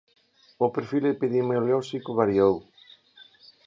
O perfil epidemiolóxico variou.